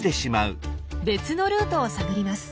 別のルートを探ります。